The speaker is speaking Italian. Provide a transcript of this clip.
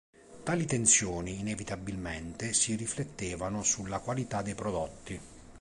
Tali tensioni, inevitabilmente, si riflettevano sulla qualità dei prodotti.